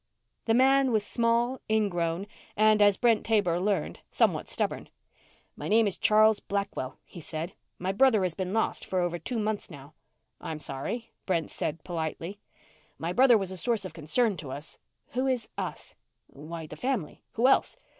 The man was small, ingrown and, as Brent Taber learned, somewhat stubborn. "My name is Charles Blackwell," he said. "My brother has been lost for over two months now." "I'm sorry," Brent said politely. "My brother was a source of concern to us " "Who is us?" "Why, the family. Who else?